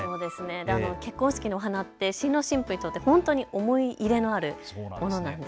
結婚式のお花って新郎新婦にとって本当に思い入れのあるものなんです。